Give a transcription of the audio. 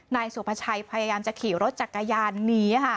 นายสุภาชัยพยายามจะขี่รถจักรยานหนีค่ะ